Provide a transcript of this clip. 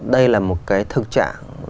đây là một cái thực trạng